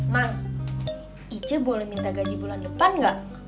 mang ije boleh minta gaji bulan depan nggak